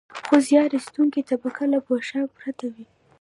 خو زیار ایستونکې طبقه له پوښاک پرته وي